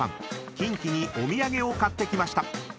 ［キンキにお土産を買ってきました］